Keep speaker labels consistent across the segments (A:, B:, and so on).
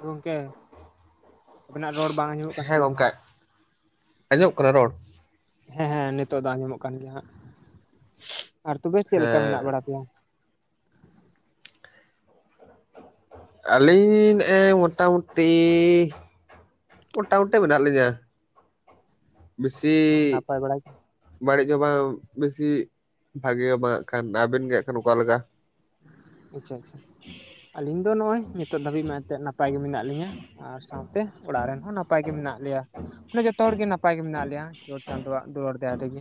A: ᱜᱚᱝᱠᱮ ᱟᱵᱮᱱᱟᱜ ᱨᱚᱲ ᱵᱟᱝ ᱟᱸᱡᱚᱢᱚᱜ ᱠᱟᱱ
B: ᱦᱮᱸ
A: ᱪᱚ
B: ᱜᱚᱝᱠᱮ ᱟᱸᱡᱚᱢᱚᱜ ᱠᱟᱱᱟ ᱨᱚᱲ
A: ᱦᱮᱸ ᱦᱮᱸ ᱱᱤᱛᱚᱜ ᱫᱚ ᱟᱸᱡᱚᱢᱚᱜ ᱠᱟᱱ ᱜᱮᱭᱟ ᱦᱟᱸᱜ ᱟᱨ ᱛᱚᱵᱮ ᱪᱮᱫ ᱞᱮᱠᱟ ᱢᱮᱱᱟᱜ
B: ᱦᱮᱸ
A: ᱵᱟᱲᱟ ᱯᱮᱭᱟ?
B: ᱟᱹᱞᱤᱧ ᱱᱮᱜ-ᱮ ᱢᱚᱴᱟ ᱢᱩᱴᱤ ᱢᱚᱴᱟᱢᱩᱴᱤ ᱢᱮᱱᱟᱜ ᱞᱤᱧᱟ᱾
A: ᱟᱪᱪᱷᱟ
B: ᱵᱮᱥᱤ
A: ᱟᱪᱪᱷᱟ ᱱᱟᱯᱟᱭ ᱵᱟᱲᱟ ᱜᱮ
B: ᱵᱟᱹᱲᱤᱡ ᱦᱚᱸ ᱵᱟᱝ ᱵᱮᱥᱤ ᱵᱷᱟᱜᱮ ᱦᱚᱸ ᱵᱟᱝ ᱠᱷᱟᱱ ᱟᱵᱮᱱ ᱜᱮ ᱦᱟᱸᱜ ᱠᱷᱟᱱ ᱚᱠᱟ ᱞᱮᱠᱟ?
A: ᱟᱪᱪᱷᱟ ᱟᱪᱪᱷᱟ ᱟᱹᱞᱤᱧ ᱫᱚ ᱱᱚᱜᱼᱚᱭ ᱱᱤᱛᱳᱜ ᱫᱷᱟᱹᱵᱤᱡ ᱢᱟ ᱮᱛᱮᱫ ᱱᱟᱯᱟᱭ ᱜᱮ ᱢᱮᱱᱟᱜ ᱞᱤᱧᱟ᱾ ᱟᱨ ᱥᱟᱶᱛᱮ ᱚᱲᱟᱜ ᱨᱮᱱ ᱦᱚᱸ ᱱᱟᱯᱟᱭ ᱜᱮ ᱢᱮᱱᱟᱜ ᱞᱮᱭᱟ᱾ ᱢᱟᱱᱮ ᱡᱚᱛᱚ ᱦᱚᱲᱜ ᱜᱮ ᱱᱟᱯᱟᱭ ᱜᱮ ᱢᱮᱱᱟᱜ ᱞᱮᱭᱟ ᱪᱚᱴ ᱪᱟᱸᱫᱳᱣᱟᱜ ᱫᱩᱞᱟᱹᱲ ᱫᱟᱭᱟ ᱛᱮᱜᱮ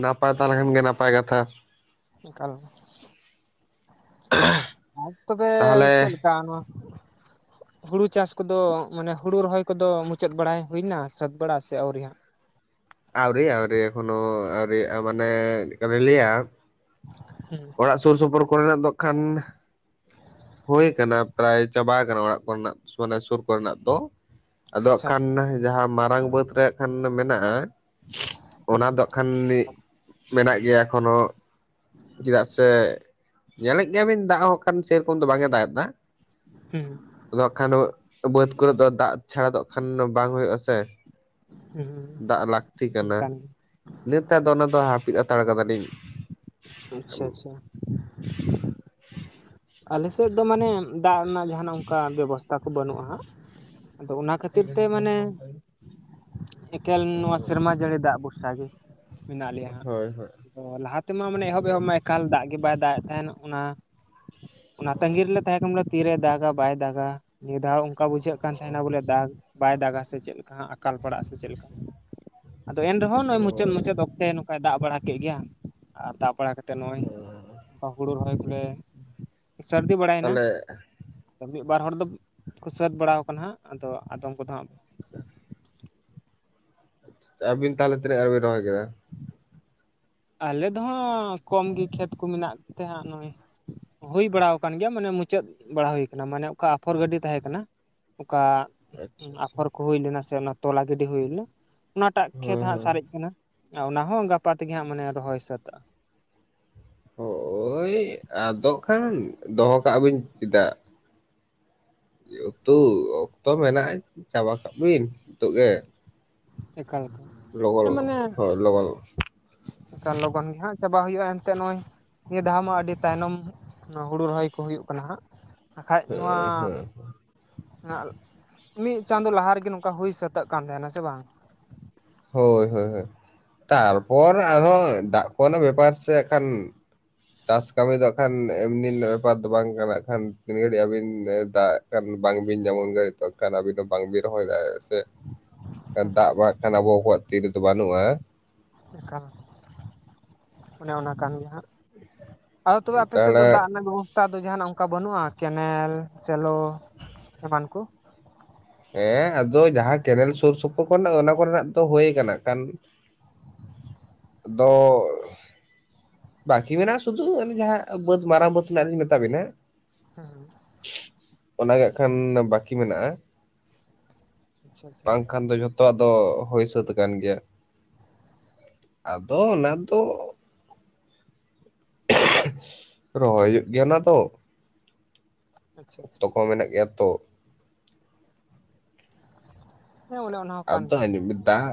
B: ᱱᱟᱯᱟᱭ ᱛᱟᱦᱮᱞᱮᱱ ᱠᱷᱟᱱ ᱜᱮ ᱱᱟᱯᱟᱭ ᱠᱟᱛᱷᱟ ᱾
A: ᱮᱠᱟᱞ ᱟᱨ ᱛᱚᱵᱮ
B: ᱛᱟᱦᱚᱞᱮ
A: ᱪᱮᱫ ᱞᱮᱠᱟ ᱱᱚᱣᱟ᱾ ᱦᱩᱲᱩ ᱪᱟᱥ ᱠᱚᱫᱚ ᱢᱟᱱᱮ ᱦᱩᱲᱩ ᱨᱚᱦᱚᱭ ᱠᱚᱫᱚ ᱢᱩᱪᱟᱹᱫ ᱵᱟᱲᱟ ᱦᱩᱭ ᱱᱟ ᱥᱟᱹᱛ ᱵᱟᱲᱟ ᱥᱮ ᱟᱹᱣᱨᱤ?
B: ᱟᱣᱨᱤ ᱟᱣᱨᱤ ᱮᱠᱷᱚᱱᱳ ᱟᱣᱨᱤᱭᱟᱜ-ᱟ ᱢᱟᱱᱮ ᱪᱮᱫᱠᱟᱞᱤᱧ ᱞᱟᱹᱭᱟ
A: ᱦᱩᱸ
B: ᱚᱲᱟᱜ ᱥᱩᱨ ᱥᱩᱯᱩᱨ ᱠᱚᱨᱮᱱᱟᱜ ᱫᱚ ᱠᱷᱟᱱ᱾ ᱦᱩᱭ ᱟᱠᱟᱱᱟ ᱯᱨᱟᱭ ᱪᱟᱵᱟ ᱟᱠᱟᱱᱟ ᱚᱲᱟᱜ ᱠᱚᱨᱮᱱᱟᱜ ᱢᱟᱱᱮ ᱥᱩᱨ ᱠᱚᱨᱮᱱᱟᱜ ᱫᱚ ᱾ ᱟᱫᱚ ᱦᱟᱜ
A: ᱟᱪᱪᱷᱟ
B: ᱠᱷᱟᱱ ᱡᱟᱦᱟᱸ ᱢᱟᱨᱟᱝ ᱵᱟᱹᱫ ᱨᱮᱭᱟᱜ ᱠᱷᱟᱱ ᱢᱮᱱᱟᱜᱼᱟ᱾ ᱚᱱᱟ
A: ᱦᱩᱸ
B: ᱫᱚᱜ ᱠᱷᱟᱱ ᱢᱮᱱᱟᱜ ᱜᱮᱭᱟ ᱮᱠᱷᱚᱱᱳ᱾ ᱪᱮᱫᱟᱜ ᱥᱮ ᱧᱮᱞᱮᱫ ᱜᱮᱭᱟᱵᱤᱱ ᱫᱟᱜ ᱦᱚᱸ ᱠᱷᱟᱱ ᱥᱮᱨᱚᱠᱚᱢ ᱫᱚ ᱵᱟᱝ ᱮ ᱫᱟᱜ ᱮᱫᱟ᱾
A: ᱦᱩᱸ
B: ᱟᱫᱚ ᱦᱟᱸᱜ ᱠᱷᱟᱱ ᱵᱟᱹᱫᱽ ᱠᱚᱨᱮ ᱫᱚ ᱫᱟᱜ ᱪᱷᱟᱲᱟ ᱫᱚᱜ ᱠᱷᱟᱱ ᱵᱟᱝ ᱦᱩᱭᱩᱜ-ᱟ ᱥᱮ᱾
A: ᱦᱩᱸ
B: ᱫᱟᱜ ᱞᱟᱹᱠᱛᱤ ᱠᱟᱱᱟ
A: ᱚᱱᱠᱟᱱ
B: ᱤᱱᱟᱹᱛᱮ ᱟᱫᱚ ᱚᱱᱟ ᱫᱚ ᱦᱟᱯᱤᱫ ᱦᱟᱛᱟᱲ ᱠᱟᱫᱟ ᱞᱤᱧ᱾
A: ᱟᱪᱪᱷᱟ ᱟᱪᱪᱷᱟ ᱟᱞᱮᱥᱮᱫ ᱫᱚ ᱢᱟᱱᱮ ᱫᱟᱜ ᱨᱮᱱᱟᱜ ᱡᱟᱦᱱᱟᱜ ᱚᱱᱠᱟ ᱵᱮᱵᱚᱥᱛᱟ ᱠᱚ ᱵᱟᱹᱱᱩᱜᱼᱟ ᱦᱟᱜ ᱟᱫᱚ ᱚᱱᱟ ᱠᱷᱟᱹᱛᱤᱨ ᱛᱮ ᱢᱟᱱᱮ ᱮᱠᱮᱞ ᱱᱚᱣᱟ ᱥᱮᱨᱢᱟ ᱡᱟᱹᱲᱤ ᱫᱟᱜ ᱵᱩᱨᱥᱟ ᱜᱮ᱾ ᱢᱮᱱᱟᱜ ᱞᱮᱭᱟ ᱦᱟᱸᱜ
B: ᱦᱳᱭ ᱦᱳᱭ
A: ᱞᱟᱦᱟ ᱛᱮᱢᱟ ᱢᱟᱱᱮ ᱮᱦᱚᱵ ᱮᱦᱚᱵ ᱢᱟ ᱮᱠᱟᱞ ᱫᱟᱜ ᱜᱮ ᱵᱟᱭ ᱫᱟᱜ ᱮᱫ ᱛᱮᱦᱮᱱ᱾ ᱚᱱᱟ ᱚᱱᱟ ᱛᱟᱸᱟᱹᱜᱤ ᱨᱮᱞᱮ ᱛᱟᱦᱮᱸ ᱠᱟᱱᱟ ᱵᱚᱞᱮ ᱛᱤᱨᱮ ᱫᱟᱜᱟ ᱵᱟᱭ ᱫᱟᱜᱟ ᱱᱤᱭᱟᱹ ᱫᱷᱟᱣ ᱚᱱᱠᱟ ᱵᱩᱡᱷᱟᱹᱜ ᱠᱟᱱ ᱛᱟᱦᱮᱱᱟ ᱵᱚᱞᱮ ᱫᱟᱜᱽ ᱵᱟᱭ ᱫᱟᱜᱟ ᱥᱮ ᱪᱮᱫ ᱞᱮᱠᱟ ᱟᱠᱟᱞ ᱯᱟᱲᱟᱜᱼᱟ ᱥᱮ ᱪᱮᱫ ᱞᱮᱠᱟ ᱟᱫᱚ ᱮᱱᱨᱮᱦᱚᱸ ᱱᱚᱜᱼᱚᱭ ᱢᱩᱪᱟᱹᱫ
B: ᱦᱳᱭ
A: ᱢᱩᱪᱟᱹᱫ ᱚᱠᱛᱮ ᱱᱚᱝ ᱠᱟᱭ ᱫᱟᱜ ᱵᱟᱲᱟ ᱠᱮᱫ ᱜᱮᱭᱟ ᱟᱨ ᱫᱟᱜ ᱵᱟᱲᱟ ᱠᱟᱛᱮ ᱱᱚᱜᱼᱚᱭ ᱱᱚᱠᱟ ᱦᱳᱲᱳ ᱨᱚᱦᱚᱭ ᱠᱚᱞᱮ ᱥᱟᱹᱨᱫᱤ ᱵᱟᱲᱟᱭᱱᱟ,
B: ᱛᱟᱦᱚᱞᱮ
A: ᱢᱤᱫ ᱵᱟᱨ ᱦᱚᱲ ᱫᱚᱠᱚ ᱥᱟᱹᱛ ᱵᱟᱲᱟᱣ ᱠᱟᱱᱟ ᱦᱟᱸᱜ ᱟᱫᱚ ᱟᱫᱚᱢ ᱠᱚᱫᱚ ᱦᱟᱸᱜ
B: [unintelligible] ᱟᱹᱵᱤᱱ ᱛᱟᱦᱚᱞᱮ ᱛᱤᱱᱟᱹᱜ ᱜᱟᱱ ᱵᱤᱱ ᱨᱚᱦᱚᱭ ᱠᱮᱫᱟ?
A: ᱟᱞᱮ ᱫᱚ ᱦᱟᱸᱜ ᱠᱚᱢ ᱜᱮ ᱠᱷᱮᱛ ᱠᱚ ᱢᱮᱱᱟᱜ ᱛᱮᱦᱜ ᱱᱚᱜᱚᱭ ᱦᱩᱭ ᱵᱟᱲᱟ ᱟᱠᱟᱱ ᱜᱮᱭᱟ ᱢᱟᱱᱮ ᱢᱩᱪᱟᱹᱫ ᱵᱟᱲᱟ ᱦᱩᱭ ᱟᱠᱟᱱᱟ ᱢᱟᱱᱮ ᱚᱠᱟ ᱟᱯᱷᱚᱨ ᱜᱟᱹᱰᱤ ᱛᱟᱦᱮᱸ ᱠᱟᱱᱟ ᱚᱠᱟ
B: ᱟᱪᱪᱷᱟ ᱟᱪᱪᱷᱟ
A: ᱟᱯᱷᱚᱨ ᱠᱚ ᱦᱩᱭ ᱞᱮᱱᱟ ᱥᱮ ᱚᱱᱟ ᱛᱚᱞᱟ ᱜᱤᱰᱤ ᱦᱩᱭ ᱞᱮᱱᱟ ᱚᱱᱟᱴᱟᱜ ᱠᱷᱮᱛ
B: ᱦᱮᱸ
A: ᱦᱟᱸᱜ
B: ᱦᱮᱸ
A: ᱥᱟᱨᱮᱡ ᱠᱟᱱᱟ ᱟ ᱚᱱᱟ ᱦᱚᱸ ᱜᱟᱯᱟ ᱛᱮᱜᱮ ᱦᱟᱸᱜ ᱢᱟᱱᱮ ᱨᱚᱦᱚᱭ ᱥᱟᱹᱛᱟᱹᱜᱼᱟ᱾
B: ᱦᱳᱜ ᱳᱭ ᱟᱫᱚᱜ ᱠᱷᱟᱱ ᱫᱚᱦᱚ ᱠᱟᱜ ᱵᱤᱱ ᱪᱮᱫᱟᱜ ᱩᱛᱩ ᱚᱠᱛᱚ ᱢᱮᱱᱟᱜᱼᱟ ᱪᱟᱵᱟ ᱠᱟᱜ ᱵᱤᱱ ᱱᱤᱛᱚᱜ ᱜᱮ᱾
A: ᱮᱠᱟᱞ ᱮᱠᱟᱞ
B: [unintelligible]
A: ᱮᱠᱟᱞ ᱞᱚᱜᱚᱱ ᱜᱮᱦᱟᱸᱜ ᱪᱟᱵᱟ ᱜᱩᱭᱩᱜ-ᱟ ᱱᱚᱜᱼᱚᱭ ᱱᱤᱭᱟᱹ ᱫᱷᱟᱣ ᱢᱟ ᱟᱹᱰᱤ ᱛᱟᱭᱱᱚᱢ ᱦᱩᱲᱩ ᱨᱚᱦᱚᱭ ᱠᱚ ᱦᱩᱭᱩᱜ ᱠᱟᱱᱟ ᱦᱟᱸᱜ ᱵᱟᱠᱷᱟᱡ ᱢᱟ
B: ᱦᱩᱸ ᱦᱩᱸ
A: ᱢᱤᱫ ᱪᱟᱸᱫᱳ ᱞᱟᱦᱟ ᱨᱮᱜᱮ ᱱᱚᱝᱠᱟ ᱦᱩᱭ ᱥᱟᱹᱛᱟᱹᱜ ᱠᱟᱱ ᱛᱟᱦᱮᱱᱟ ᱥᱮ ᱵᱟᱝ,
B: ᱦᱳᱭ ᱦᱳᱭ ᱦᱳᱭ ᱛᱟᱨᱯᱚᱨ ᱟᱨᱦᱚᱸ ᱫᱟᱜ ᱠᱚᱨᱮᱱᱟᱜ ᱵᱮᱯᱟᱨ ᱥᱮ ᱠᱷᱟᱱ ᱪᱟᱥ ᱠᱟᱹᱢᱤ ᱫᱚ ᱦᱟᱸᱜ ᱠᱷᱟᱱ ᱮᱢᱱᱤ ᱱᱟᱜ ᱵᱮᱯᱟᱨ ᱫᱚ ᱵᱟᱝ ᱠᱟᱱᱟ ᱦᱟᱸᱜ ᱠᱷᱟᱱ ᱛᱤᱱ ᱜᱷᱟᱲᱤᱡ ᱟᱹᱵᱤᱱ ᱫᱟᱜ ᱠᱷᱟᱱ ᱵᱟᱝ ᱵᱤᱱ ᱧᱟᱢᱟ ᱩᱱ ᱜᱷᱟᱱᱤᱡ ᱛᱚ ᱠᱷᱟᱱ ᱟᱵᱤᱱ ᱦᱚᱸ ᱵᱟᱝ ᱵᱤᱱ ᱨᱚᱦᱚᱭ ᱫᱟᱲᱜ ᱟᱥᱮ᱾ ᱫᱟᱜ ᱵᱟ ᱠᱷᱟᱱ ᱟᱵᱚ ᱠᱚᱣᱟᱜ ᱛᱤᱨᱮᱫᱚ ᱵᱟᱹᱱᱩᱜᱼᱟ,
A: ᱮᱠᱟᱞ ᱚᱱᱮ ᱚᱱᱟ ᱠᱟᱱ ᱜᱮᱭᱟ ᱦᱟᱸᱜ᱾ ᱟᱨ ᱛᱚᱵᱮ ᱟᱯᱮᱥᱮᱫ ᱫᱚ
B: ᱛᱟᱦᱚᱞᱮ
A: ᱫᱟᱜ ᱨᱮᱱᱟᱜ ᱵᱮᱵᱚᱥ ᱛᱷᱟ ᱫᱚ ᱡᱟᱦᱟᱱᱟᱜ ᱚᱱᱠᱟ ᱵᱟᱹᱱᱩᱜᱼᱟ ᱠᱮᱱᱮᱞ ᱥᱮᱞᱚ ᱮᱢᱟᱱ ᱠᱚ?
B: ᱦᱮᱸ ᱟᱫᱚ ᱡᱟᱦᱟᱸ ᱠᱮᱱᱮᱞ ᱥᱩᱨ ᱥᱩᱯᱩᱨ ᱠᱚᱨᱮᱱᱟᱜ ᱫᱚ ᱚᱱᱟ ᱠᱚᱨᱮᱱᱟᱜ ᱫᱚ ᱦᱩᱭ ᱠᱟᱱᱟ ᱱᱟᱜ-ᱠᱷᱟᱱ ᱟᱫᱚᱻ ᱵᱟᱠᱤ ᱢᱮᱱᱟᱜᱼᱟ ᱥᱩᱫᱷᱩ ᱚᱱᱮ ᱡᱟᱦᱟᱸ ᱵᱟᱹᱫ ᱢᱟᱨᱟᱝ ᱵᱟᱹᱫᱽ ᱨᱮᱱᱟᱜ ᱞᱤᱧ ᱢᱮᱛᱟ ᱵᱤᱱᱟ
A: ᱦᱮᱸ ᱦᱮᱸ
B: ᱚᱱᱟ ᱜᱮ ᱦᱟᱜ-ᱠᱷᱟᱱ ᱵᱟᱠᱤ ᱢᱮᱱᱟᱜᱼᱟ᱾
A: ᱟᱪᱪᱷᱟ ᱟᱪᱪᱷᱟ
B: ᱵᱟᱝᱠᱷᱟᱱ ᱫᱚ ᱡᱷᱚᱛᱚ ᱟᱫᱚ ᱦᱳᱭ ᱥᱟᱹᱛ ᱠᱟᱱ ᱜᱮᱭᱟ᱾ ᱟᱫᱚ ᱚᱱᱟ ᱫᱚ ᱨᱚᱦᱚᱭ ᱦᱩᱭᱩᱜ ᱜᱮᱭᱟ ᱚᱱᱟ ᱫᱚ
A: ᱟᱪᱪᱷᱟ ᱟᱪᱪᱷᱟ ᱾
B: ᱛᱚ ᱠᱚ ᱢᱮᱱᱟᱜ ᱜᱮᱭᱟ ᱛᱚ
A: ᱦᱮᱸ ᱚᱱᱮ ᱚᱱᱟ ᱦᱚᱸ ᱠᱟᱱ
B: ᱟᱫᱚ
A: ᱜᱮᱭᱟ
B: ᱟᱸᱡᱟᱢᱵᱤᱱ ᱫᱟᱜ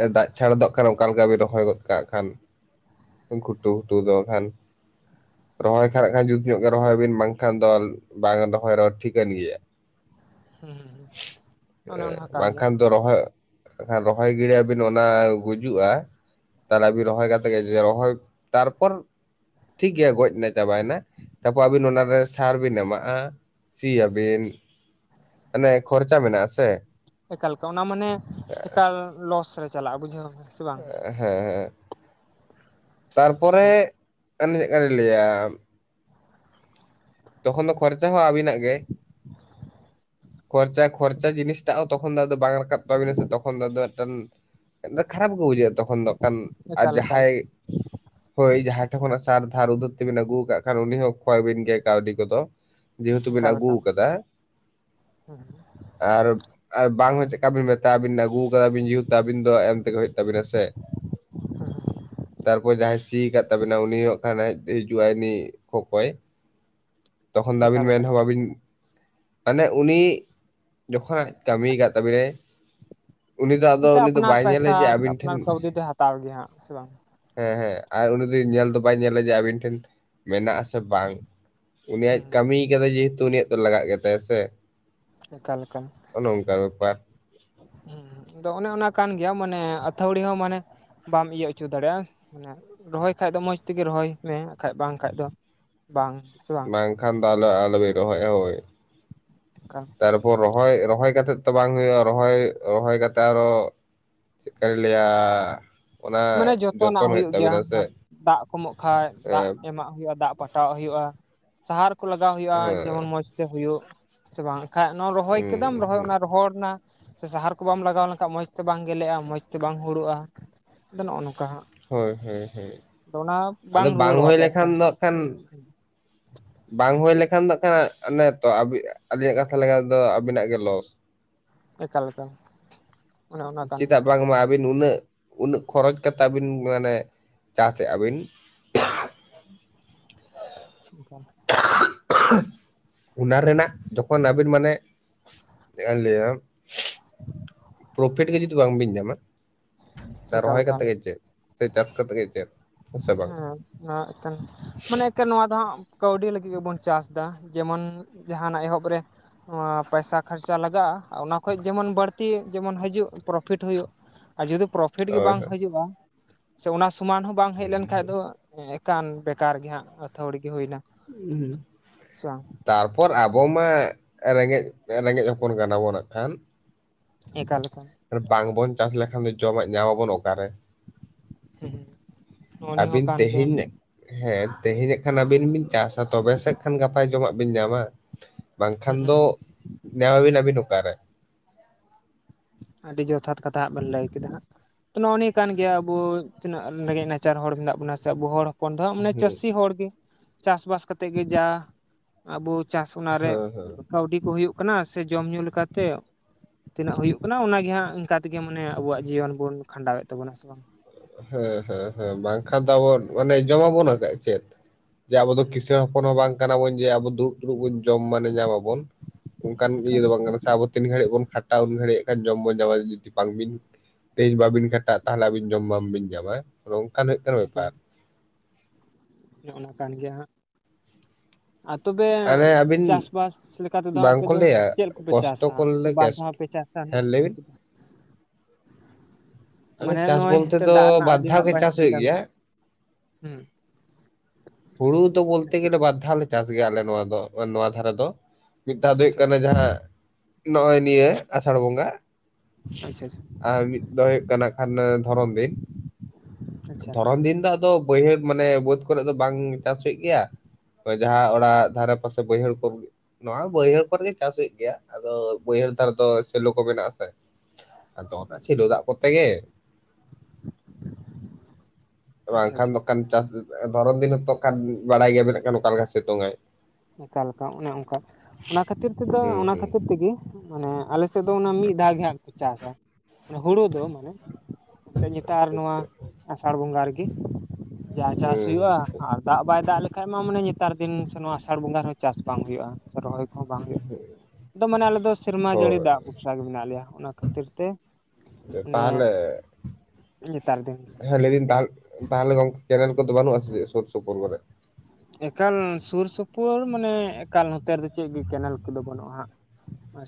B: ᱮᱸ ᱫᱟᱜ ᱪᱷᱟᱲᱟ ᱫᱚ ᱚᱠᱟ ᱨᱮ ᱚᱠᱟᱞᱮᱠᱟ ᱵᱤᱱ ᱨᱚᱦᱚᱲ ᱜᱚᱫ ᱠᱟᱜ ᱠᱷᱟᱱ ᱜᱷᱩᱴᱩ ᱜᱷᱩᱴᱩ ᱫᱚ ᱟᱠᱷᱟᱱ ᱨᱚᱦᱚᱭ ᱠᱷᱟᱱ ᱱᱟᱜ-ᱠᱷᱥᱱ ᱡᱩᱛ ᱧᱚᱜ ᱜᱮ ᱨᱚᱦᱚᱭ ᱵᱤᱱ ᱵᱟᱝᱠᱷᱟᱱ ᱫᱚ ᱵᱟᱝ ᱨᱚᱦᱚᱭ ᱨᱚᱦᱚᱲ ᱴᱷᱤᱠᱟᱹᱱ ᱜᱮᱭᱟ᱾
A: ᱦᱩᱸ ᱦᱩᱸ᱾ ᱚᱱᱮ
B: ᱮᱸ
A: ᱚᱱᱟ ᱦᱚᱸ ᱠᱟᱱ ᱜᱮᱭᱟ
B: ᱵᱟᱝᱠᱷᱟᱱ ᱫᱚ ᱨᱚᱦᱚᱭ, ᱱᱟᱠᱷᱟᱱ ᱨᱚᱦᱚᱭ ᱜᱤᱲᱤᱭᱟᱵᱤᱱ ᱚᱱᱟ ᱜᱩᱡᱩᱜᱼᱟ᱾ ᱛᱟᱦᱚᱞᱮ ᱟᱵᱤᱱ ᱨᱚᱦᱚᱭ ᱠᱟᱛᱮ ᱜᱮ ᱡᱩᱫᱤ ᱨᱚᱦᱚᱭ ᱛᱟᱨᱯᱚᱨ ᱴᱷᱤᱠᱜᱮᱭᱟ ᱜᱚᱡ ᱮᱱᱟ ᱪᱟᱵᱟᱭᱱᱟ ᱛᱟᱨᱯᱚᱨ ᱟᱹᱵᱤᱱ ᱚᱱᱟᱨᱮ ᱥᱟᱨ ᱵᱤᱱ ᱮᱢᱟᱜᱼᱟ ᱥᱤᱭᱟᱵᱤᱱ ᱢᱟᱱᱮ ᱠᱷᱚᱨᱪᱟ ᱢᱮᱱᱟᱜ-ᱟ ᱥᱮ᱾
A: ᱮᱠᱟᱞ ᱮᱠᱟᱠ ᱚᱱᱟ ᱢᱟᱱᱮ ᱮᱠᱟᱞ ᱞᱚᱥ ᱨᱮ ᱪᱟᱞᱟᱜᱼᱟ ᱵᱩᱡᱷᱟᱹᱣ ᱫᱟᱵᱤᱱ?
B: ᱮᱜ ᱦᱮᱸ ᱦᱮᱸ ᱛᱟᱨᱯᱚᱨᱮ ᱚᱱᱮ ᱪᱮᱠᱟ ᱞᱤᱧ ᱞᱟᱹᱭᱟ ᱛᱚᱠᱷᱚᱱ ᱫᱚ ᱠᱷᱚᱨᱪᱟ ᱦᱚᱸ ᱟᱵᱤᱱᱟᱜ ᱜᱮ ᱾ ᱠᱷᱚᱨᱪᱟ ᱠᱷᱚᱨᱪᱟ ᱡᱤᱱᱤᱥ ᱴᱟᱜ ᱦᱚᱸ ᱛᱚᱠᱷᱚᱱ ᱟᱫᱚ ᱵᱟᱝ ᱨᱟ ᱨᱟᱠᱟᱵ ᱛᱟᱵᱤᱱᱟ ᱥᱮ ᱛᱚᱠᱷᱚᱱ ᱫᱚ ᱟᱫᱚ ᱢᱮᱜᱴᱮᱱ ᱠᱷᱟᱨᱟᱯ ᱜᱮ ᱵᱩᱡᱷᱟᱹᱜᱼᱟ ᱛᱚᱠᱷᱚᱱ ᱫᱚ ᱟᱸᱜᱠᱷᱟᱱ᱾ ᱟᱨ
A: ᱮᱠᱟᱞ ᱮᱠᱟᱞ
B: ᱡᱟᱦᱟᱸᱭ ᱡᱳᱭ ᱡᱟᱦᱟᱸ ᱴᱷᱮᱱ ᱠᱷᱚᱱᱟᱜ ᱥᱟᱨ ᱫᱷᱟᱨ ᱩᱫᱷᱟᱹᱨ ᱛᱮᱵᱤᱱ ᱟᱜᱩ ᱟᱠᱟᱜ ᱠᱷᱟᱱ ᱩᱱᱤ ᱦᱚᱸ ᱠᱚᱭ ᱵᱤᱱ ᱜᱮᱭᱟᱭ ᱠᱟᱣᱰᱤ ᱠᱚᱫᱚ ᱡᱮᱦᱮᱛᱩ ᱵᱤᱱ
A: ᱮᱠᱟᱞ
B: ᱟᱜᱩ
A: ᱮᱠᱟᱞ
B: ᱠᱟᱫᱟ᱾
A: ᱦᱮᱸ ᱦᱮᱸ
B: ᱟᱨ ᱟᱨ ᱵᱟᱝ ᱦᱚᱸ ᱪᱮᱜᱠᱟ ᱵᱤᱱ ᱢᱮᱛᱟᱭᱟ ᱟᱵᱤᱱ ᱟᱜᱩ ᱠᱟᱫᱟ ᱵᱤᱱ ᱡᱮᱦᱮᱛᱩ ᱟᱵᱤᱱ ᱫᱚ ᱮᱢ ᱛᱮᱜᱮ ᱦᱩᱭᱩᱜ ᱛᱟᱵᱤᱱᱟ ᱥᱮ ᱾
A: [unintelligible]
B: ᱛᱟᱨᱯᱚᱨ ᱡᱟᱦᱟᱸᱭ ᱥᱤ ᱠᱟᱫ ᱛᱟᱵᱤᱱᱟ ᱩᱱᱤ ᱦᱚᱸ ᱟᱸᱜᱠᱷᱟᱱ ᱦᱮᱡ ᱦᱤᱡᱩᱜᱼᱟᱭ ᱩᱱᱤ ᱠᱷᱚᱠᱚᱭ ᱾ ᱛᱚᱠᱷᱚᱱ ᱫᱚ ᱟᱵᱤᱱ
A: ᱮᱠᱟᱞ
B: ᱢᱮᱱ
A: ᱮᱠᱟᱞ
B: ᱦᱚᱸ ᱵᱟᱵᱤᱱ ᱢᱟᱱᱮ ᱩᱱᱤ ᱡᱚᱠᱷᱚᱱ ᱟᱡ ᱠᱟᱢᱤ ᱠᱟᱜ ᱛᱟᱵᱤᱱᱟᱭ, ᱩᱱᱤ ᱫᱚ ᱟᱫᱚ
A: ᱮᱱᱛᱮ
B: ᱩᱱᱤ ᱫᱚ
A: ᱟᱯᱱᱟᱨ
B: ᱵᱟᱭ ᱧᱮᱞᱟ
A: ᱯᱚᱭᱥᱟ
B: ᱡᱮ
A: ᱥᱮ
B: ᱟᱵᱤᱱ ᱴᱷᱮᱱ
A: ᱟᱯᱱᱟᱨ ᱠᱟᱹᱣᱰᱤ ᱫᱚᱭ ᱦᱟᱛᱟᱣ ᱜᱮᱭᱟ ᱦᱟᱸᱜ ᱥᱮ ᱵᱟᱝ
B: ᱦᱮᱸ ᱦᱮᱸ ᱟᱨ ᱩᱱᱤ ᱫᱚ ᱧᱮᱞ ᱫᱚ ᱵᱟᱭ ᱧᱮᱞᱟ ᱡᱮ ᱟᱵᱤᱱ ᱴᱷᱮᱱ ᱢᱮᱱᱟᱜ ᱟᱥᱮ ᱵᱟᱝ? ᱩᱱᱤ ᱟᱡ
A: ᱦᱩᱸ
B: ᱠᱟᱢᱤ ᱠᱟᱫᱟᱭ ᱡᱮᱦᱮᱛᱩ ᱩᱱᱤᱭᱟᱜ ᱫᱚ ᱞᱟᱜᱟᱜ ᱜᱮ ᱛᱟᱭᱟ ᱥᱮ?
A: ᱮᱠᱟᱞ ᱮᱠᱟᱞ᱾
B: ᱚᱱᱮ ᱚᱱᱠᱟᱱ ᱵᱮᱯᱟᱨ ᱾
A: ᱦᱩᱸ ᱟᱫᱚ ᱚᱱᱮ ᱚᱱᱟ ᱠᱟᱱ ᱜᱮᱭᱟ ᱢᱟᱱᱮ ᱟᱹᱛᱷᱟᱹᱣᱲᱤ ᱦᱚᱸ ᱢᱟᱱᱮ ᱵᱟᱢ ᱤᱭᱟᱹ ᱦᱚᱪᱚ ᱫᱟᱲᱮᱭᱟᱜᱼᱟ, ᱢᱟᱱᱮ ᱨᱚᱦᱚᱭ ᱠᱷᱟᱡ ᱫᱚ ᱢᱚᱡᱽ ᱛᱮᱜᱮ ᱨᱚᱦᱚᱭ ᱢᱮ ᱟᱠᱷᱟᱡ ᱵᱟᱝᱠᱷᱟᱡ ᱫᱚ ᱵᱟᱝ ᱥᱮ ᱵᱟᱝ?
B: ᱵᱟᱝᱠᱷᱟᱱ ᱫᱚ ᱟᱞᱚ ᱟᱞᱚ ᱵᱤᱱ ᱨᱚᱦᱚᱭᱟ ᱦᱳᱭ ᱾
A: ᱮᱠᱟᱠ᱾
B: ᱛᱟᱨᱯᱚᱨ ᱨᱚᱦᱚᱭ ᱨᱚᱦᱚᱭ ᱠᱟᱛᱮᱫ ᱛᱚ ᱵᱟᱝ ᱦᱳᱭᱳᱜᱼᱟ ᱨᱚᱦᱚᱭ ᱨᱚᱦᱚᱭ ᱠᱟᱛᱮᱜ ᱟᱨᱦᱚ ᱪᱮᱜᱠᱟ ᱞᱤᱧ ᱞᱟᱹᱭᱟᱻ?
A: ᱢᱟᱱᱮ ᱡᱚᱛᱚᱱᱟᱜ ᱦᱩᱭᱩᱜ ᱜᱮᱭᱟ, ᱫᱟᱜ ᱠᱚᱢᱚᱜ ᱠᱷᱟᱡ ᱫᱟᱜ
B: ᱦᱮᱸ
A: ᱮᱢᱟᱜ ᱦᱩᱭᱩᱜᱼᱟ, ᱫᱟᱜ ᱯᱟᱴ ᱴᱟᱣ ᱦᱩᱭᱩᱜᱼᱟ, ᱥᱟᱦᱟᱨ ᱠᱚ ᱞᱟᱜᱟᱣ ᱦᱩᱭᱩᱜᱼᱟ ᱾ ᱡᱮᱢᱚᱱ ᱢᱚᱸᱡᱽ ᱛᱮ ᱦᱩᱭᱩᱜ ᱥᱮ ᱵᱟᱝ? ᱠᱷᱟᱜ ᱱᱚᱣᱟ ᱨᱚᱦᱚᱭ
B: ᱦᱮᱸ
A: ᱠᱮᱫᱟᱢ ᱨᱚᱦᱚᱲᱱᱟ ᱨᱚᱦᱚᱲᱱᱟ, ᱥᱮ ᱥᱟᱦᱟᱨ ᱠᱚ ᱵᱟᱢ ᱞᱟᱜᱟᱣ ᱞᱮᱱᱠᱷᱟᱡ ᱢᱚᱸᱡᱽ ᱛᱮ ᱵᱟᱝ ᱜᱮᱞᱮᱜᱼᱟ, ᱢᱚᱸᱡᱽ ᱛᱮ ᱵᱟᱝ ᱦᱩᱲᱩᱜᱼᱟ ᱾ ᱟᱫᱚ ᱱᱚᱜᱼᱚ ᱱᱚᱝᱠᱟ ᱦᱟᱸᱜ ᱾
B: ᱦᱳᱭ ᱦᱳᱭ ᱦᱳᱭ ᱾
A: ᱟᱫᱚ ᱚᱱᱟ
B: ᱟᱫᱚ ᱵᱟᱝ
A: ᱨᱩᱣᱟᱹᱲᱚᱜᱼᱟ
B: ᱦᱩᱭ
A: ᱯᱚᱭᱥᱟ
B: ᱞᱮᱠᱷᱟᱱ ᱫᱚ ᱦᱟᱸᱜᱠᱷᱟᱱ ᱵᱟᱝ ᱦᱩᱭ ᱞᱮᱠᱷᱟᱱ ᱫᱚ ᱠᱷᱟᱱ ᱚᱱᱮ ᱛᱚ ᱟᱵᱤ ᱟᱞᱤᱧᱟᱜ ᱠᱟᱛᱷᱟ ᱞᱮᱠᱟ ᱛᱮᱫᱚ ᱟᱵᱤᱱᱟᱜ ᱜᱮ ᱞᱚᱥ ᱾
A: [inaudible] ᱮᱠᱟᱞ ᱚᱱᱮ ᱚᱱᱟ
B: [inaudible]
A: ᱠᱟᱱ ᱜᱮᱭᱟ
B: ᱪᱮᱫᱟᱜ ᱵᱟᱝᱢᱟ ᱟᱵᱤᱱ ᱩᱱᱟᱹᱜ ᱩᱱᱟᱹᱜ ᱠᱷᱚᱨᱚᱪ ᱠᱟᱛᱮ ᱟᱵᱤᱱ ᱢᱟᱱᱮ ᱪᱟᱥᱮᱜ ᱟᱹᱵᱤᱱ, [inaudible]
A: ᱮᱠᱟᱞ
B: ᱚᱱᱟ ᱨᱮᱱᱟᱜ ᱡᱚᱠᱷᱚᱱ ᱟᱵᱤᱱ ᱢᱟᱱᱮ ᱪᱮᱜᱠᱟᱧ ᱞᱟᱹᱭᱟ? ᱯᱨᱚᱯᱷᱤᱴ ᱜᱮ ᱡᱩᱫᱤ ᱵᱟᱝ ᱵᱤᱱ ᱧᱟᱢᱟ, ᱛᱟ
A: ᱮᱠᱟᱞ
B: ᱨᱚᱦᱚᱭ ᱠᱟᱛᱮ ᱜᱮ ᱪᱮᱫ ᱥᱮ ᱪᱟᱥ ᱠᱟᱛᱮᱫ ᱜᱮ ᱪᱮᱫ? ᱥᱮ ᱵᱟᱝ
A: ᱦᱮᱸ ᱱᱚᱣᱟ ᱮᱠᱮᱱ ᱢᱟᱱᱮ ᱮᱠᱮᱱ ᱱᱚᱣᱟ ᱫᱚ ᱦᱟᱸᱜ ᱠᱟᱹᱣᱰᱤ ᱞᱟᱹᱜᱤᱜ ᱜᱮᱵᱚᱱ ᱪᱟᱥᱫᱟ ᱾ ᱡᱮᱢᱚᱱ ᱡᱟᱦᱟᱱᱟᱜ ᱮᱦᱚᱵ ᱨᱮ ᱱᱚᱣᱟ ᱯᱮᱭᱥᱟ ᱠᱷᱚᱨᱪᱟ ᱞᱟᱜᱟᱜᱼᱟ᱾ ᱚᱱᱟ ᱠᱷᱚᱡ ᱡᱮᱢᱚᱱ ᱵᱟᱹᱲᱛᱤ ᱡᱮᱢᱚᱱ ᱦᱤᱡᱩᱜ ᱯᱨᱚᱯᱷᱤᱴ ᱦᱩᱭᱩᱜ ᱟᱨ ᱡᱩᱫᱤ ᱯᱨᱚ ᱯᱷᱤᱴ ᱜᱮ
B: ᱦᱳᱭ
A: ᱵᱟᱝ
B: ᱦᱳᱭ
A: ᱦᱤᱡᱩᱜᱼᱟ, ᱥᱮ ᱚᱱᱟ ᱥᱚᱢᱟᱱ ᱦᱚᱸ ᱵᱟᱝ ᱦᱮᱡ ᱞᱮᱱ ᱮᱠᱟᱱ ᱵᱮᱠᱟᱨ ᱜᱮ ᱦᱟᱸᱜ, ᱟᱹᱛᱷᱟᱹᱣᱲᱤ ᱜᱮ ᱦᱩᱭᱱᱟ ᱾
B: ᱦᱩᱸ, ᱛᱟᱨ ᱯᱚᱨ ᱟᱵᱚ ᱢᱟ ᱨᱮᱸᱜᱮᱡ ᱨᱮᱸᱜᱮᱡ ᱦᱚᱯᱚᱱ ᱠᱟᱱᱟ ᱵᱚᱱ ᱦᱟᱸᱜ ᱠᱷᱟᱱ ᱾
A: ᱮᱠᱟᱞᱼᱮᱠᱟᱞ᱾
B: ᱵᱟᱝ ᱵᱚᱱ ᱪᱟᱥ ᱞᱮᱠᱷᱟᱱ ᱫᱚ ᱡᱚᱢᱟᱜ ᱧᱟᱢ ᱟᱵᱚᱱ ᱚᱠᱟ ᱨᱮ?
A: ᱦᱩᱸ ᱱᱚᱜᱼᱚ ᱱᱤᱭᱟᱹ ᱦᱚᱸ
B: ᱟᱹᱵᱤᱱ
A: ᱠᱟᱱ ᱜᱮᱭᱟ
B: ᱛᱮᱦᱮᱧ ᱦᱮᱸ, ᱛᱮᱦᱮᱧ ᱦᱟᱸᱜ ᱠᱷᱟᱱ ᱟᱹᱵᱤᱱ ᱵᱤᱱ ᱪᱟᱥᱟ ᱛᱚᱵᱮ ᱥᱮ ᱠᱷᱟᱱ ᱜᱟᱯᱟ ᱡᱚᱢᱟᱜ ᱵᱤᱱ ᱧᱟᱢᱟ ᱾ ᱵᱟᱝ ᱠᱷᱟᱱ
A: ᱦᱩᱸ ᱦᱩᱸ
B: ᱫᱚ
A: ᱦᱩᱸ
B: ᱱᱮᱣᱟᱵᱤᱱ ᱟᱵᱤᱱ ᱚᱠᱟ ᱨᱮ?
A: ᱟᱹᱰᱤ ᱡᱚᱛᱷᱟᱛ ᱠᱟᱛᱷᱟ ᱦᱟᱸᱜ ᱵᱮᱱ ᱞᱟᱹᱭ ᱠᱮᱫᱟ ᱦᱟᱸᱜ ᱾ ᱛᱚ ᱱᱚᱜᱼᱚ ᱱᱤᱭᱟᱹ ᱠᱟᱱ ᱜᱮᱭᱟ ᱟᱵᱚ ᱛᱤᱱᱟᱹᱜ ᱨᱮᱸᱜᱮᱡ ᱱᱟᱪᱟᱨ ᱦᱚᱲ ᱢᱮᱱᱟᱜ ᱵᱚᱱᱟ ᱥᱮ ᱟᱵᱚ ᱦᱚᱲ ᱠᱚᱱᱫᱚ ᱢᱟᱱᱮ
B: ᱦᱩᱸ
A: ᱪᱟᱹᱥᱤ ᱦᱚᱲ ᱜᱮ ᱪᱟᱥ ᱵᱟᱥ ᱠᱟᱛᱮᱜ ᱜᱮ ᱡᱟ ᱟᱵᱚ ᱪᱟᱥ ᱚᱱᱟ ᱨᱮ
B: ᱦᱮᱸ ᱦᱮᱸ
A: ᱠᱟᱹᱣᱰᱤ ᱠᱚ ᱦᱩᱭᱩᱜ ᱠᱟᱱᱟ ᱥᱮ ᱡᱚᱢ ᱧᱩ ᱞᱮᱠᱟ ᱛᱮ ᱛᱤᱱᱟᱹᱜ ᱦᱩᱭᱩᱜ ᱚᱱᱟ ᱜᱮ ᱦᱟᱸᱜ ᱚᱱᱠᱟ ᱛᱮᱜᱮ ᱢᱟᱱᱮ ᱟᱵᱚᱣᱟᱜ ᱡᱤᱭᱚᱱ ᱵᱚᱱ ᱠᱷᱟᱸᱰᱟᱣᱮᱫ ᱛᱟᱵᱚᱱᱟ ᱥᱮ ᱵᱟᱝ ᱾
B: ᱦᱮᱸ ᱦᱮᱸ ᱦᱮᱸ ᱵᱟᱝ ᱠᱷᱟᱱ ᱫᱚ ᱟᱵᱚ ᱢᱟᱱᱮ ᱡᱚᱢᱟ ᱵᱚᱱ ᱵᱟᱠᱷᱟᱡ ᱪᱮᱫ? ᱡᱮ ᱟᱵᱚ ᱫᱚ
A: ᱦᱩᱸ
B: ᱠᱤᱸᱥᱟᱲ ᱦᱚᱯᱚᱱ ᱦᱚᱸ ᱵᱟᱝ ᱠᱟᱱᱟ ᱵᱚᱱ ᱡᱮ ᱟᱵᱚ ᱫᱩᱲᱩᱵ ᱫᱩᱲᱩᱵ ᱵᱚᱱ ᱡᱚᱢ ᱢᱟᱱᱮ ᱧᱟᱢᱟᱵᱚᱱ᱾ ᱚᱱᱠᱟᱱ ᱤᱭᱟᱹ
A: ᱮᱠᱟᱞ
B: ᱫᱚ ᱵᱟᱝ ᱠᱟᱱᱟ ᱥᱮ ᱟᱵᱚ ᱛᱤᱱ ᱜᱷᱟᱹᱲᱤᱡ ᱵᱚᱱ ᱠᱷᱟᱴᱟᱜ ᱩᱱ ᱜᱷᱟᱲᱤᱡ ᱜᱮ ᱡᱚᱢ ᱵᱚᱱ ᱧᱟᱢᱟ ᱡᱩᱫᱤ ᱵᱟᱝ ᱵᱤᱱ ᱛᱮᱦᱮᱧ ᱵᱟᱵᱤᱱ ᱠᱷᱟᱴᱟᱜ-ᱟ, ᱛᱟᱦᱚᱞᱮ ᱟᱵᱤᱱ ᱡᱚᱢ ᱢᱟᱢᱵᱤᱱ ᱡᱟᱢᱟ ᱟᱫᱚ ᱚᱱᱠᱟᱱ ᱦᱩᱭᱩᱜ ᱠᱟᱱᱟ ᱵᱮᱯᱟᱨ ᱾
A: ᱱᱚᱜᱼᱚ ᱱᱚᱝᱠᱟᱱ ᱜᱮ ᱦᱟᱸᱜ, ᱟᱨ ᱛᱚᱵᱮ
B: ᱟᱨᱮ ᱟᱹᱵᱤᱱ
A: ᱪᱟᱥᱼᱵᱟᱥ ᱞᱮᱠᱟ ᱛᱮᱫᱚ ᱟᱯᱮ
B: ᱵᱟᱝᱠᱚ
A: ᱫᱚ
B: ᱞᱟᱹᱭᱟ
A: ᱪᱮᱫ ᱠᱚᱯᱮ
B: ᱠᱚᱥᱴᱚ
A: ᱪᱟᱥᱟ
B: ᱠᱚᱨᱞᱮ
A: ᱵᱟᱨ
B: ᱠᱮᱥᱴ
A: ᱫᱷᱟᱣ ᱯᱮ ᱪᱟᱥᱟ ᱱᱟᱜ?
B: ᱦᱮᱸ ᱞᱟᱹᱭ
A: ᱦᱳᱲᱳ
B: ᱵᱤᱱ
A: ᱠᱚᱫᱚ
B: ᱟᱞᱮ
A: ᱢᱟᱱᱮ
B: ᱪᱟᱥ
A: ᱱᱚᱜᱼᱚᱭ
B: ᱵᱚᱞᱛᱮ
A: ᱦᱤᱛᱳᱜ ᱫᱟᱜ
B: ᱫᱚ
A: ᱨᱮᱱᱟᱜ
B: ᱵᱟᱨ
A: ᱟᱹᱰᱤ
B: ᱫᱷᱟᱣ ᱜᱮ
A: ᱱᱟᱯᱟᱭ
B: ᱪᱟᱥ ᱦᱩᱭᱩᱜ
A: ᱥᱩᱵᱤᱫᱷᱟ
B: ᱜᱮᱭᱟ
A: ᱢᱮᱱᱟᱜ-ᱟ, ᱦᱮᱸ᱾
B: ᱦᱩᱲᱩ ᱫᱚ ᱵᱚᱞᱛᱮ
A: ᱟᱪᱪᱷᱟ
B: ᱜᱮᱞᱮ ᱵᱟᱨ ᱫᱷᱟᱣ ᱞᱮ ᱪᱟᱥ ᱜᱮᱭᱟ ᱟᱞᱮ ᱱᱚᱣᱟ ᱫᱚ ᱱᱚᱣᱟ ᱫᱷᱟᱨᱮ ᱫᱚ ᱾ ᱢᱤᱫ ᱫᱷᱟᱣ ᱫᱚ ᱦᱩᱭᱩᱜ
A: ᱟᱪᱪᱷᱟ
B: ᱠᱟᱱᱟ
A: ᱟᱪᱪᱷᱟ ᱟᱪᱪᱷᱟ
B: ᱡᱟᱦᱟᱸ ᱱᱚᱜᱼᱚᱭ ᱱᱤᱭᱟᱹ ᱟᱥᱟᱲ ᱵᱚᱸᱜᱟ ᱾
A: ᱟᱪᱪᱷᱟ ᱟᱪᱪᱷᱟ
B: ᱟᱨ ᱢᱤᱫ ᱫᱚ ᱦᱩᱭᱩᱜ ᱠᱟᱱᱟ ᱠᱷᱟᱱ ᱫᱷᱚᱨᱚᱱ ᱫᱤᱱ ᱾
A: ᱟᱪᱪᱷᱟ
B: ᱫᱷᱚᱨᱚᱱ ᱫᱤᱱ ᱫᱚ ᱟᱫᱚ ᱵᱟᱹᱭᱦᱟᱹᱲ ᱢᱟᱱᱮ ᱵᱟᱹᱫᱽ ᱠᱚᱨᱮ ᱫᱚ ᱵᱟᱝ ᱪᱟᱥ ᱦᱩᱭᱩᱜ ᱜᱮᱭᱟ ᱾ ᱡᱟᱦᱟᱸ ᱚᱲᱟᱜ ᱫᱷᱟᱨᱮ ᱯᱟᱥᱮ ᱵᱟᱹᱭᱦᱟᱹᱲ ᱠᱚ, ᱱᱚᱣᱟ ᱵᱟᱹᱭᱦᱟᱹᱲ ᱠᱚᱨᱮ ᱜᱮ ᱪᱟᱥ ᱦᱩᱭᱩᱜ ᱜᱮᱭᱟ ᱟᱫᱚ ᱵᱟᱹᱭᱦᱟᱹᱲ ᱫᱷᱟᱨ ᱫᱚ ᱥᱮᱞᱳ ᱠᱚ ᱢᱮᱱᱟᱜ-ᱟ ᱥᱮ ‍᱾ ᱟᱫᱚ
A: ᱟᱪᱪᱷᱟ
B: ᱚᱱᱟ
A: ᱟᱪᱪᱷᱟ
B: ᱥᱮᱞᱚ ᱫᱟᱜ ᱠᱚᱨᱛᱮ ᱜᱮ ᱾ ᱵᱟᱝ
A: ᱟᱪᱪᱷᱟ
B: ᱠᱷᱟᱱ
A: ᱟᱪᱪᱷᱟ
B: ᱫᱚ ᱠᱟᱱ ᱪᱟᱥ ᱫᱷᱚᱨᱚ ᱫᱤᱱ ᱦᱚᱛᱚ ᱵᱟᱲᱟᱭ ᱜᱮᱭᱟ ᱵᱮᱱ ᱦᱟᱜ ᱚᱠᱟ ᱞᱮᱠᱟ ᱥᱤᱛᱩᱝ ᱟᱭ᱾
A: ᱚᱠᱟ ᱞᱮᱠᱟ ᱚᱱᱮ ᱚᱱᱠᱟ ᱚᱱᱟ ᱠᱷᱟᱹᱛᱤᱨ ᱛᱮᱫᱚ
B: ᱦᱩᱸ
A: ᱚᱱᱟ
B: ᱦᱩᱸ
A: ᱠᱷᱟᱹᱛᱤᱨ ᱛᱮᱜᱮ ᱾ ᱢᱟᱱᱮ ᱟᱞᱮ ᱥᱮᱫ ᱫᱚ ᱚᱱᱟ ᱢᱤᱫ ᱫᱷᱟᱣ ᱜᱮ ᱦᱟᱜ ᱠᱚ ᱪᱟᱥᱟ ᱦᱩᱲᱩ ᱫᱚ ᱢᱟᱱᱮ ᱮᱱᱛᱮᱫ ᱱᱮᱛᱟᱨ
B: ᱟᱪᱪᱷᱟ
A: ᱱᱚᱣᱟ
B: ᱟᱪᱪᱷᱟ
A: ᱟᱥᱟᱲ ᱵᱚᱸᱜᱟ ᱨᱮᱜᱤ, ᱡᱟ ᱪᱟᱥ
B: ᱦᱩᱸ
A: ᱦᱩᱭᱩᱜ-ᱟ ᱟᱨ ᱫᱟᱜ ᱵᱟᱭ ᱫᱟᱜ ᱞᱮᱠᱷᱟᱡ ᱢᱟ ᱢᱟᱱᱮ ᱱᱮᱛᱟᱨ ᱫᱤᱱ ᱥᱮ ᱱᱚᱣᱟ ᱟᱥᱟᱲ ᱵᱚᱸᱜᱟ ᱨᱮᱦᱚᱸ ᱪᱟᱥ ᱵᱟᱝ ᱦᱩᱭᱩᱜ-ᱟ ᱥᱮ ᱨᱚᱦᱚᱭ ᱦᱚᱸ ᱵᱟᱝ ᱦᱩᱭᱩᱜ-ᱟ ᱟᱫᱚ ᱢᱟᱱᱮ ᱟᱞᱮ ᱫᱚ ᱥᱮᱨᱢᱟ ᱡᱟᱹᱲᱤ
B: ᱦᱳᱭ
A: ᱫᱟᱜ ᱵᱷᱚᱨᱥᱟ ᱜᱮ ᱢᱮᱱᱟᱜ ᱞᱮᱭᱟ ᱚᱱᱟ ᱠᱷᱟᱛᱤᱨ ᱛᱮ ᱢᱟᱱᱮ
B: ᱛᱟᱦᱟᱞᱮ
A: ᱱᱮᱛᱟᱨ ᱫᱤᱱ ᱜᱮ
B: ᱦᱮᱸ ᱞᱮᱭ ᱫᱤᱱ ᱛᱟᱦᱟᱞᱮ ᱛᱟᱦᱟᱞᱮ ᱜᱚᱢᱠᱮ ᱠᱮᱱᱮᱞ ᱠᱚᱫᱚ ᱵᱟᱱᱩᱜ-ᱟ ᱥᱮ ᱥᱳᱨ ᱥᱳᱯᱳᱨ ᱠᱚᱨᱮ?
A: ᱮᱠᱟᱞ ᱥᱳᱨ ᱥᱳᱯᱳᱨ ᱢᱟᱱᱮ ᱮᱠᱟᱞ ᱱᱚᱛᱮ ᱨᱮᱫᱚ ᱪᱮᱫ ᱜᱮ ᱠᱮᱱᱮᱞ ᱠᱚᱫᱚ ᱵᱟᱹᱱᱩᱜ-ᱟ ᱦᱟᱸᱜ ᱾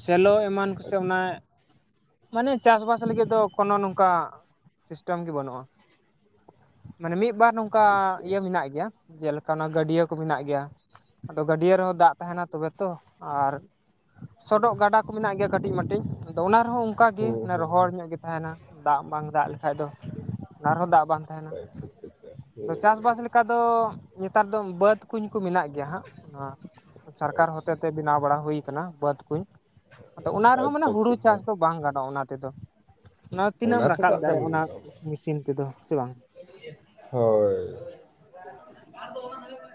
A: ᱥᱮᱞᱳ ᱮᱢᱟᱱ ᱠᱚᱥᱮ ᱚᱱᱮ ᱢᱟᱱᱮ ᱪᱟᱥ ᱵᱟᱥ ᱞᱟᱜᱤᱫ ᱫᱚ ᱠᱚᱱᱚ ᱱᱚᱝᱠᱟ ᱥᱤᱥᱴᱮᱢ ᱜᱮ ᱵᱟᱱᱩᱜ-ᱟ ᱾ ᱢᱤᱫ ᱵᱟᱨ ᱱᱚᱝᱠᱟ
B: ᱟᱪᱪᱷᱟ ᱟᱪᱪᱷᱟ
A: ᱤᱭᱟᱹ ᱢᱮᱱᱟᱜ ᱜᱮᱭᱟ ᱡᱮᱞᱮ ᱠᱟᱱᱟ ᱜᱟᱹᱰᱭᱟᱹ ᱠᱚ ᱢᱮᱱᱟᱜ ᱜᱮᱭᱟ ᱟᱫᱚ ᱜᱟᱹᱰᱭᱟᱹ ᱨᱮᱦᱚᱸ ᱫᱟᱜ ᱛᱟᱦᱮᱱᱟ ᱛᱚᱵᱮ ᱛᱚ ᱟᱨ ᱥᱚᱰᱚᱜ ᱜᱟᱰᱟ ᱠᱚ ᱢᱮᱱᱟᱜ ᱜᱮᱭᱟ ᱠᱟᱹᱴᱤᱡ ᱢᱟᱹᱴᱤᱡ ᱟᱫᱚ ᱚᱱᱟ ᱨᱮᱦᱚᱸ ᱚᱱᱠᱟ ᱜᱮ
B: ᱦᱩᱸ ᱦᱩᱸ
A: ᱨᱚᱦᱚᱲ ᱧᱚᱜ ᱜᱮ ᱛᱟᱦᱮᱱᱟ ᱫᱟᱜ ᱵᱟᱝ ᱫᱟᱜ ᱞᱮᱠᱷᱟᱡ ᱫᱚ ᱚᱱᱟ ᱨᱮᱦᱚᱸ ᱫᱟᱜ ᱵᱟᱝ ᱛᱟᱦᱮᱱᱟ ᱟᱫᱚ ᱪᱟᱥᱵᱟᱥ
B: [unintelligible]
A: ᱞᱮᱠᱟ ᱫᱚ ᱱᱮᱛᱟᱨ ᱫᱚ ᱵᱟᱹᱫᱽ ᱠᱩᱧ ᱠᱚ ᱢᱮᱱᱟᱜ ᱜᱮᱭᱟ ᱦᱟᱸᱜ ᱱᱚᱣᱟ ᱥᱚᱨᱠᱟᱨ ᱦᱚᱛᱮᱛᱮ ᱵᱮᱱᱟᱣ ᱵᱟᱲᱟ ᱦᱩᱭ ᱠᱟᱱᱟ ᱵᱟᱹᱫᱽ ᱠᱩᱧ ᱾ ᱟᱫᱚ ᱚᱱᱟ
B: ᱟᱪᱪᱷᱟ
A: ᱨᱮᱦᱚᱸ ᱢᱟᱱᱮ
B: ᱟᱪᱪᱷᱟ
A: ᱦᱩᱲᱩ
B: ᱟᱪᱪᱷᱟ ᱟᱪᱪᱷᱟ
A: ᱪᱟᱥ ᱫᱚ ᱵᱟᱝ ᱜᱟᱱᱚᱜ-ᱟ ᱚᱱᱟ ᱛᱮᱫᱚ ᱾ ᱚᱱᱟ ᱛᱤᱱᱟᱹᱜ ᱮᱢ ᱨᱟᱠᱟᱵ
B: ᱛᱮᱫᱚ ᱦᱟᱸᱜ
A: ᱫᱟᱲᱮᱭᱟᱜ-ᱟ ᱚᱱᱟ
B: ᱠᱷᱟᱱ
A: ᱢᱤᱥᱤᱱ ᱛᱮᱫᱚ ᱥᱮ ᱵᱟᱝ?
B: ᱦᱳᱭ᱾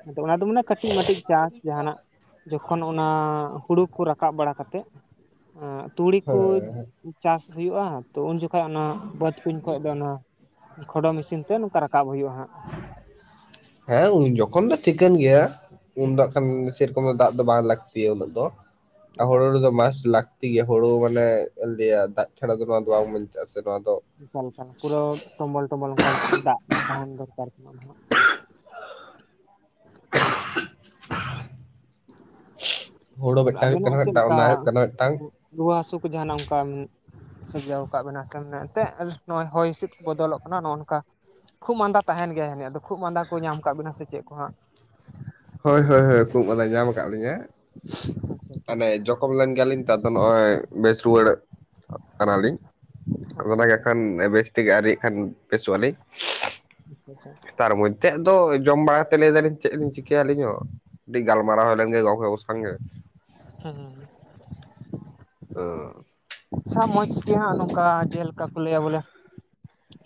A: ᱟᱫᱚ ᱚᱱᱟ ᱫᱚ ᱢᱟᱱᱮ ᱠᱟᱹᱴᱤᱡ ᱢᱟᱴᱤᱡ ᱪᱟᱥ ᱡᱟᱦᱟᱸᱱᱟᱜ ᱡᱚᱠᱷᱚᱱ ᱚᱱᱟ ᱦᱳᱲᱳ ᱠᱚ ᱨᱟᱠᱟᱵ ᱵᱟᱲᱟᱛᱮᱫ ᱛᱩᱲᱤ ᱠᱩ
B: ᱦᱮᱸ
A: ᱪᱟᱥ ᱦᱩᱭᱩᱜᱼᱟ᱾ ᱛᱚ ᱩᱱ ᱡᱚᱠᱷᱚᱱ ᱚᱱᱟ ᱵᱟᱹᱫᱽ ᱠᱩᱧ ᱠᱷᱚᱡ ᱫᱚ ᱚᱱᱟ ᱠᱷᱚᱰᱚ ᱢᱤᱥᱤᱱ ᱛᱮ ᱱᱚᱝᱠᱟ ᱨᱟᱠᱟᱵ ᱦᱩᱭᱩᱜᱼᱟ ᱦᱟᱸᱜ᱾
B: ᱦᱮᱸ ᱩᱱ ᱡᱚᱠᱷᱚᱱ ᱫᱚ ᱴᱷᱤᱠᱟᱹᱱ ᱜᱮᱭᱟ ᱩᱱ
A: ᱦᱩᱸ
B: ᱫᱚ
A: ᱦᱩᱸ
B: ᱠᱷᱟᱱ ᱪᱮᱫ ᱠᱳ ᱫᱟᱜ ᱫᱚ ᱵᱟᱝ ᱞᱟᱹᱠᱛᱤᱭᱟ ᱩᱱᱟᱹᱜ ᱫᱚ
A: ᱮᱠᱟᱞ
B: ᱦᱳᱲᱳ ᱨᱮᱫᱚ ᱢᱟᱥ ᱞᱟ ᱛᱤ ᱜᱮ ᱦᱳᱲᱳ ᱢᱟᱱᱮ ᱞᱮᱭᱟ ᱫᱟᱜ ᱪᱷᱟᱲᱟ ᱫᱚ ᱱᱚᱣᱟ ᱫᱚ ᱵᱟᱝ ᱵᱟᱧᱪᱟᱜᱼᱟ ᱥᱮ ᱱᱚᱣᱟ ᱫᱚ
A: ᱚᱱᱠᱟᱱ ᱯᱩᱨᱟᱹ ᱴᱚᱢᱵᱚᱞ ᱴᱚᱢᱢᱚᱞ ᱚᱱᱠᱟ ᱫᱟᱜ ᱛᱟᱦᱮᱱ ᱫᱚᱨᱠᱟᱨ ᱠᱟᱱᱟ ᱱᱟᱦᱟᱜ
B: ᱦᱳᱲᱳ ᱢᱮᱫᱴᱟᱝ ᱦᱩᱭᱩᱜ
A: ᱟᱵᱮᱱᱟᱜ
B: ᱠᱟᱱᱟ
A: ᱪᱮᱫ
B: ᱢᱮᱫᱴᱟᱝ ᱚᱱᱟ ᱦᱩᱭᱩᱜ
A: ᱞᱮᱠᱟ
B: ᱠᱟᱱᱟ ᱢᱤᱫᱴᱟᱝ
A: ᱨᱩᱣᱟᱹ ᱦᱟᱹᱥᱩ ᱠᱚ ᱡᱟᱦᱟᱸᱱᱟᱜ ᱚᱱᱠᱟ ᱥᱤᱨᱡᱟᱣ ᱟᱠᱟᱫ ᱵᱮᱱᱟ ᱥᱮ ᱮᱱᱛᱮᱫ ᱱᱚᱜ ᱦᱚᱭ ᱦᱤᱸᱥᱤᱫ ᱵᱚᱫᱚᱞᱚᱜ ᱠᱟᱱᱟ ᱱᱚᱭ ᱱᱚᱝᱠᱟ᱾ ᱠᱷᱩᱜ ᱢᱟᱸᱫᱟ ᱛᱟᱦᱮᱱ ᱜᱮᱭᱟ ᱦᱟᱱᱤᱡ ᱠᱷᱩᱜ ᱢᱟᱸᱫᱟ ᱠᱚ ᱧᱟᱢ ᱟᱠᱟᱫ ᱵᱮᱱᱟ ᱥᱮ ᱪᱮᱫ ᱦᱟᱸᱜ?
B: ᱦᱳᱭ ᱦᱳᱭ ᱦᱳᱭ ᱠᱷᱩᱜ ᱢᱟᱸᱫᱟ ᱧᱟᱢ ᱟᱠᱟᱫ ᱞᱤᱧᱟᱹ᱾
A: ᱟᱪᱪᱷᱟ
B: ᱢᱟᱱᱮ ᱡᱚᱠᱷᱚᱢ ᱞᱮᱱ ᱜᱮᱭᱟᱞᱤᱧ ᱛᱟᱫᱚ ᱱᱚᱜᱼᱚᱭ ᱵᱮᱥ ᱨᱩᱣᱟᱹᱲ ᱠᱟᱱᱟᱞᱤᱧ
A: ᱟᱪᱪᱷᱟ
B: ᱚᱱᱟᱜᱮ
A: ᱟᱪᱪᱷᱟ
B: ᱮᱠᱷᱟᱱ ᱵᱮᱥ ᱛᱮᱜᱮ ᱟᱹᱨᱤ ᱠᱷᱟᱱ ᱵᱮᱥᱚᱜᱼᱟᱹᱞᱤᱧ
A: [unintelligible]
B: ᱛᱟᱨ ᱢᱚᱫᱽᱫᱷᱮ ᱫᱚ ᱡᱚᱢ ᱵᱟᱲᱟ ᱛᱮᱞᱮ ᱞᱟᱹᱭ ᱫᱟᱞᱤᱧ ᱪᱮᱫ ᱮᱢ ᱪᱤᱠᱟᱹ ᱠᱮᱭᱟ ᱟᱹᱞᱤᱧ ᱦᱚᱸ ᱴᱤ ᱜᱟᱞᱢᱟᱨᱟᱣ ᱞᱮᱱᱜᱮ ᱜᱚᱝᱠᱮ ᱠᱚ ᱥᱚᱝᱜᱮ
A: ᱦᱟᱸᱻᱦᱩᱸ
B: ᱚᱻ
A: ᱟᱪᱪᱷᱟ ᱢᱚᱡᱽ ᱜᱮ ᱦᱟᱸᱜ ᱱᱚᱝᱠᱟ ᱡᱮᱞᱮᱠᱟ ᱠᱚ ᱞᱟᱹᱭᱟ ᱵᱚᱞᱮ ᱾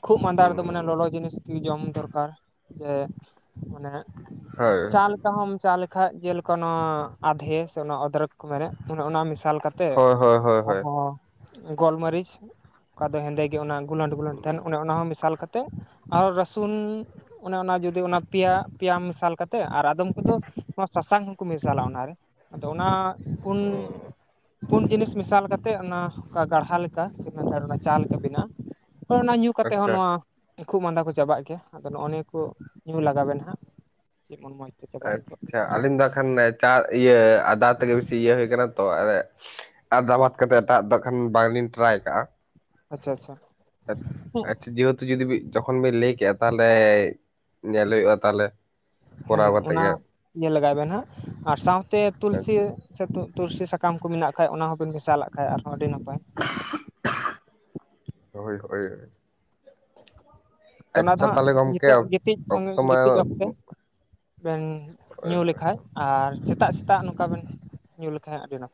A: ᱠᱷᱩᱜ ᱢᱟᱸᱫᱟ ᱨᱮᱫᱚ ᱢᱟᱱᱮ ᱞᱚᱞᱚ ᱡᱤᱱᱤᱥ ᱜᱮ ᱡᱚᱢ ᱫᱚᱨᱠᱟᱨ ᱡᱮ ᱢᱟᱱᱮ
B: ᱦᱳᱭ
A: ᱪᱟ ᱞᱮᱠᱟ ᱦᱚᱢ ᱪᱟ ᱞᱮ ᱠᱷᱟᱡ ᱡᱮᱞᱮᱠᱟ ᱱᱚᱣᱟ ᱟᱫᱷᱮ ᱥᱮ ᱚᱱᱟ ᱚᱫᱨᱮᱠ ᱠᱚ ᱢᱮᱱᱮᱫ ᱚᱱᱮ ᱚᱱᱟ ᱢᱮᱥᱟᱞ ᱠᱟ ᱛᱮ
B: ᱦᱳᱭ ᱦᱳᱭ ᱦᱳᱭ ᱦᱳᱭ
A: ᱟᱨᱦᱚᱸ ᱜᱳᱞᱢᱟᱹᱨᱤᱪ ᱚᱠᱟ ᱫᱚ ᱦᱮᱸᱫᱮ ᱜᱮ ᱚᱱᱟ ᱜᱳᱞᱟᱱᱰ ᱜᱳ ᱛᱟᱦᱮᱱ ᱚᱱᱮ ᱚᱱᱟ ᱦᱚᱸ ᱢᱮᱥᱟᱞ ᱠᱟᱛᱮᱫ ᱟᱨᱚ ᱨᱟᱹᱥᱩᱱ ᱚᱱᱮ ᱚᱱᱟ ᱡᱩᱫᱤ ᱚᱱᱟ ᱯᱮᱭᱟ ᱯᱮᱭᱟ ᱢᱮᱥᱟᱞ ᱠᱟᱛᱮᱫ ᱟᱨ ᱟᱫᱚᱢ ᱠᱚ ᱫᱚ ᱱᱚᱣᱟ ᱥᱟᱥᱟᱝ ᱦᱚᱸᱠᱚ ᱢᱮᱥᱟᱞᱟ ᱚᱱᱟᱨᱮ, ᱟᱫᱚ ᱚᱱᱟ ᱯᱩᱱ ᱯᱩᱱ ᱡᱤᱱᱤᱥ ᱢᱮᱥᱟᱞ ᱠᱟᱛᱮᱫ ᱚᱱᱟ ᱠᱟ ᱜᱟᱲᱦᱟ ᱞᱮᱠᱟ ᱥᱮ [inaudible] ᱚᱱᱟ ᱪᱟ ᱞᱮᱠᱟ ᱵᱮᱱᱟᱜᱼᱟ ᱾ ᱦᱳᱭ ᱚᱱᱟ ᱧᱩ ᱠᱟᱛᱮᱜ ᱦᱚᱸ
B: ᱟᱪᱪᱷᱟ
A: ᱱᱚᱣᱟ ᱠᱷᱩᱜ ᱢᱟᱸᱫᱟ ᱠᱚ ᱪᱟᱵᱟᱜ ᱜᱮᱭᱟ, ᱟᱫᱚ ᱱᱚᱜᱼᱚ ᱱᱤᱭᱟᱹ ᱠᱚ ᱧᱩ ᱞᱟᱜᱟᱣᱵᱮᱱ ᱦᱟᱸᱜ [unintelligible]
B: ᱟᱪᱪᱷᱟ
A: ᱧᱚᱜᱚᱜ
B: ᱪᱷᱟ ᱟᱹᱞᱤᱧ
A: ᱥᱟᱨᱟᱜᱮ
B: ᱫᱚ ᱦᱟᱜ ᱠᱷᱟᱱ ᱪᱟ ᱤᱭᱟᱹ ᱟᱫᱟ ᱛᱮᱜᱮ ᱵᱤᱥᱤ ᱤᱭᱟᱹ ᱦᱩᱭ ᱠᱟᱱᱟ ᱛᱚ ᱮ ᱟᱫᱟ ᱵᱟᱫ ᱠᱟᱛᱮᱫ ᱮᱴᱟᱜᱟᱜ ᱫᱚ ᱠᱷᱟᱱ ᱵᱟᱝᱞᱤᱧ ᱴᱨᱟᱭ ᱠᱟᱜᱼᱟ ᱾
A: ᱟᱪᱪᱷᱟ ᱟᱪᱪᱷᱟ ᱾
B: ᱟᱪᱪᱷᱟ ᱡᱮᱦᱮᱛᱩ ᱡᱩᱫᱤᱵᱤ ᱡᱚᱠᱷᱚᱱ ᱵᱤᱱ ᱞᱟᱹᱭ ᱠᱮᱜᱼᱟ ᱛᱟᱦᱚᱞᱮ ᱧᱮᱞ ᱦᱩᱭᱩᱜᱼᱟ ᱛᱟᱦᱚᱞᱮ ᱾
A: ᱦᱮᱸ ᱚᱱᱟ ᱧᱮᱞ ᱞᱟᱜᱟᱭ ᱵᱮᱱ ᱦᱟᱸᱜ ᱟᱨ ᱥᱟᱶᱛᱮ ᱛᱩᱞᱥᱤ
B: ᱟᱪᱪᱷᱟ
A: ᱥᱮ ᱛᱩ-ᱛᱩᱨᱥᱤ ᱥᱟᱠᱟᱢ ᱠᱚ ᱢᱮᱱᱟᱜ ᱠᱷᱟᱡ ᱚᱱᱟ ᱦᱚᱸᱵᱮᱱ ᱢᱮᱥᱟᱞᱟᱜ ᱠᱷᱟᱡ ᱟᱨᱦᱚᱸ ᱟᱹᱰᱤ ᱱᱟᱯᱟᱭ ᱾
B: ᱦᱳᱭ ᱦᱳᱭ ᱾
A: ᱛᱚ ᱚᱱᱟ ᱫᱚ ᱦᱟᱸᱜ
B: ᱛᱟᱦᱚᱞᱮ ᱜᱚᱢᱠᱮ
A: ᱧᱤᱛᱚᱜ ᱜᱤᱛᱤᱡ ᱥᱚᱸᱜᱮ
B: ᱚᱠᱛᱚ ᱢᱟ
A: ᱜᱤᱛᱤᱡ ᱚᱠᱛᱮ ᱾ ᱵᱮᱱ ᱧᱩ ᱞᱮᱠᱷᱟᱡ ᱟᱨ ᱥᱮᱛᱟᱜ ᱥᱮᱛᱟᱜ ᱱᱚᱝᱠᱟ ᱵᱮᱱ ᱧᱩ ᱞᱮᱠᱷᱟᱡ ᱟᱹᱰᱤ ᱱᱟ